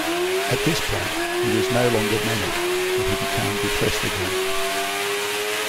At this point, he was no longer manic, but he became depressed again.